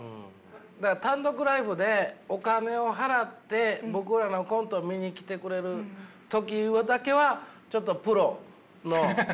単独ライブでお金を払って僕らのコント見に来てくれる時だけはちょっとプロの。